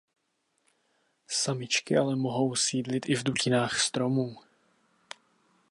Samičky ale mohou sídlit i v dutinách stromů.